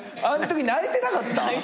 あんとき泣いてなかった？